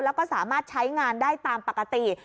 แล้วก็สามารถใช้งานได้ตามปกติ